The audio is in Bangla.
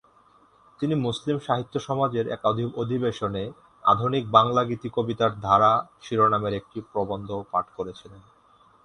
তিনি মুসলিম সাহিত্য সমাজের এক অধিবেশনে "আধুনিক বাংলা গীতি-কবিতার ধারা" শিরোনামের একটি প্রবন্ধ পাঠ করেছিলেন।